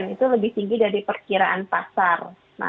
itu lebih tinggi dari perkiraan pasar